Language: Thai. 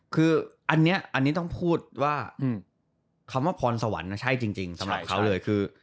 คืออันนี้ต้องพูดว่าคำว่าพรสวรรค์ใช่จริงสำหรับเขาเลยคือ